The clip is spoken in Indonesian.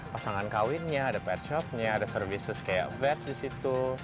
pasangan kawinnya ada pet shopnya ada services kayak bed di situ